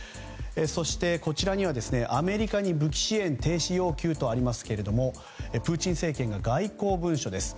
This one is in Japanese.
そして、こちらにはアメリカに武器支援停止要求とありますけれどもプーチン政権が外交文書です。